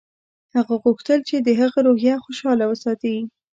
هغه غوښتل چې د هغه روحیه خوشحاله وساتي